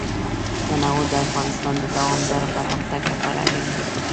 تنوع د افغانستان د دوامداره پرمختګ لپاره اړین دي.